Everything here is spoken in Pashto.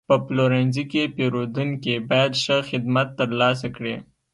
په پلورنځي کې پیرودونکي باید ښه خدمت ترلاسه کړي.